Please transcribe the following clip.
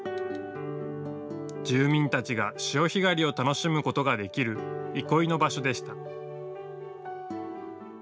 住民たちが潮干狩りを楽しむことができる憩いの場所でした。